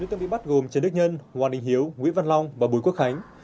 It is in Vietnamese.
bốn tượng bị bắt gồm trần đức nhân hoàng đình hiếu nguyễn văn long và bùi quốc khánh